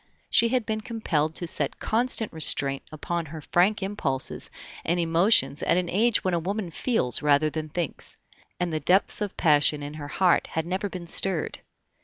She had been compelled to set constant restraint upon her frank impulses and emotions at an age when a woman feels rather than thinks, and the depths of passion in her heart had never been stirred.